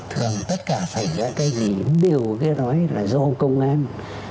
thường tất cả xảy ra cái gì đều nghe nói là do công an